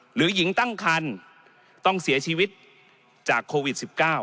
หรือหญิงตั้งคันต้องเสียชีวิตจากโควิด๑๙